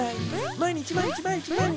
「毎日毎日毎日毎日！